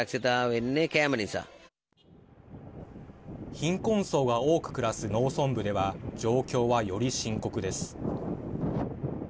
貧困層が多く暮らす農村部では状況はより深刻です。